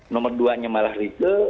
nomor dua nya malah rike